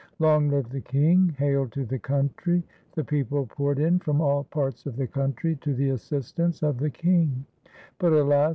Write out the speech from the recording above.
Long live the king ! Hail to the country !" The people poured in from all parts of the country to the assistance of the king; but, alas!